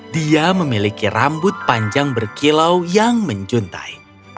dia memiliki rambut panjang berkilau yang menjuntai